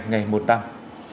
ngày một tháng